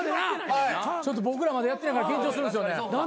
ちょっと僕らまだやってないから緊張するんですよね。